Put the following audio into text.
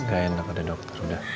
gak enak ada dokter udah